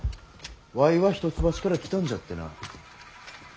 わいは一橋から来たんじゃってな。